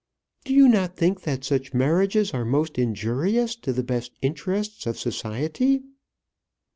"Do you not think that such marriages are most injurious to the best interests of society?"